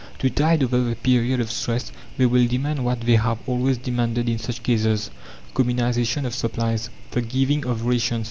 To tide over the period of stress they will demand what they have always demanded in such cases communization of supplies the giving of rations.